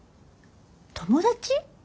友達？